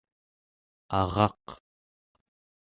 araq